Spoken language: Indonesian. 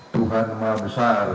tuhan maha besar